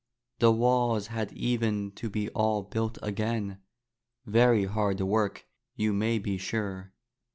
The walls had even to be all built again, — very hard work, you may be sure.